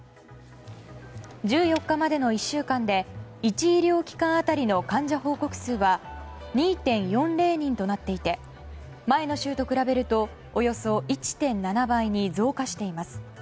１４日までの１週間で１医療機関当たりの患者報告数は２．４０人となっていて前の週と比べるとおよそ１．７倍に増加しています。